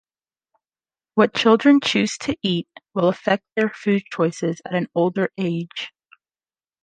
What children choose to eat will affect their food choices at an older age.